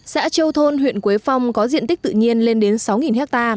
xã châu thôn huyện quế phong có diện tích tự nhiên lên đến sáu ha